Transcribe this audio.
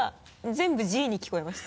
全部「Ｇ」に聞こえました。